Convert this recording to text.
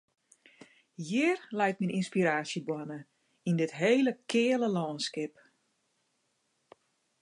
Hjir leit myn ynspiraasjeboarne, yn dit hele keale lânskip.